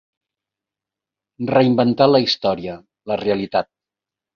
Reinventar la història, la realitat.